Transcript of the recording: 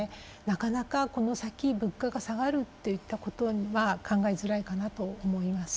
なかなかこの先物価が下がるといったことには考えづらいかなと思います。